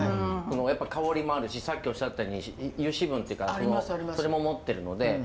そのやっぱり香りもあるしさっきおっしゃったように油脂分っていうかそれも持ってるので。